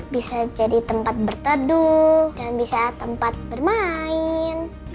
bisa jadi tempat berteduh dan bisa tempat bermain